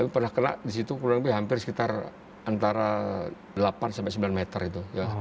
pernah kena di situ kurang lebih hampir sekitar antara delapan sampai sembilan meter itu